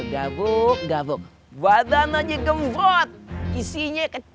gavok gavok badananya gembrot isinya kecil